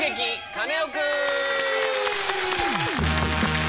カネオくん」！